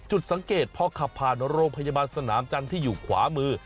จุดสังเกตพอขับผ่านโรงพยาบาลสนามจันทร์ที่อยู่ขวามือ